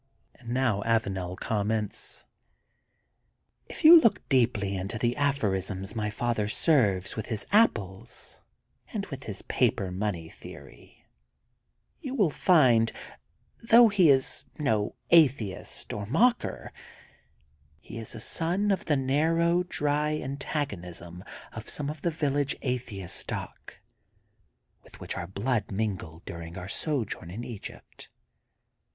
'* And now Avanel comments: — *'If you look deeply into the aphorisms my father serves 188 THE GOLDEN BOOK OF SPRINGFIELD with his apples and with his paper money theory, you will fin3^ though he is no atheifet or mocker, he is a Son of the narrow, dry an tagonisms of some of the village atheist stock with which our blood mingled during our so journ in Egypt.